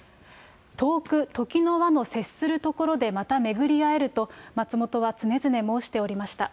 遠く時の輪の接するところでまた巡り会えると、まつもとは常々申しておりました。